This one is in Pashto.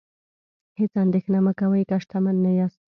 هیڅ اندیښنه مه کوئ که شتمن نه یاست.